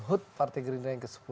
hood partai gerindra yang ke sepuluh